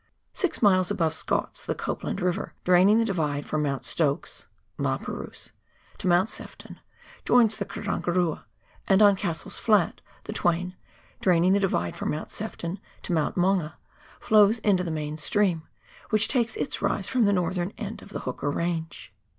Six miles above Scott's the Copland River, draining the Divide from Mount Stokes (La Perouse) to Mount Sefton, joins the Karangarua, and on Cassell's Flat the Twain, draining the Divide from Mount Sefton to Mount Maunga, flows into the main stream, which takes its rise from the northern end of the Hooker Range.